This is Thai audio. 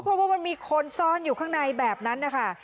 เพราะว่ามันมีคนซ้อนอยู่ข้างในแบบนั้นนะคะ